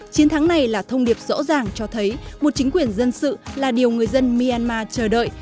chiến thắng này là thông điệp rõ ràng cho thấy một chính quyền dân sự là điều người dân myanmar chờ đợi